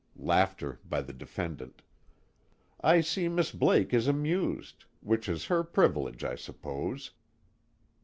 [Laughter by the defendant.] I see Miss Blake is amused, which is her privilege I suppose.